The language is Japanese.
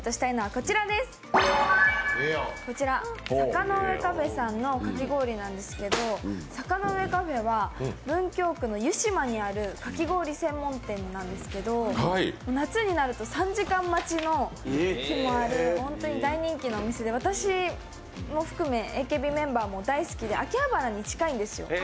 こちら、サカノウエカフェさんのかき氷なんですけどサカノウエカフェは、文京区の湯島にあるかき氷専門店なんですけど、夏になると３時間待ちの日もある、本当に大人気のお店で、私も含め、ＡＫＢメンバーも大好きで秋葉原に近いんですよ。